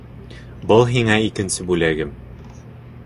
Был һиңә икенсе бүләгем.